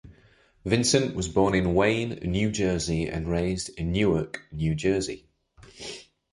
Vincent was born in Wayne, New Jersey and raised in Newark, New Jersey.